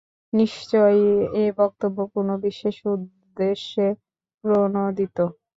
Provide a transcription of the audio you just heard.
নিশ্চয়ই এ বক্তব্য কোন বিশেষ উদ্দেশ্যে প্রণোদিত।